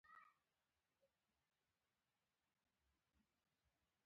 مالیه د هېواد پرمختګ لپاره لازمي ده.